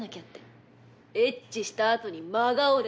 「エッチしたあとに真顔で」